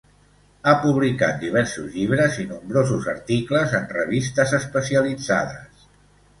Ha publicat diversos llibres i nombrosos articles en revistes especialitzades.